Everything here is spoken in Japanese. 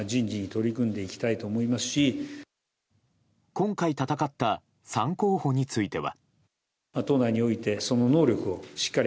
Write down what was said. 今回戦った３候補については。